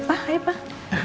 pak hai pak